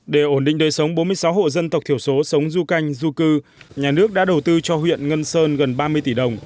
để ổn định đời sống bốn mươi sáu hộ dân tộc thiểu số sống du canh du cư nhà nước đã đầu tư cho huyện ngân sơn gần ba mươi tỷ đồng